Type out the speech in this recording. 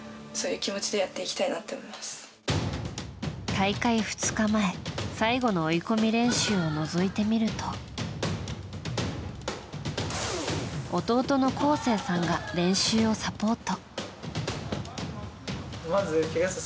大会２日前、最後の追い込み練習をのぞいてみると弟の恒惺さんが練習をサポート。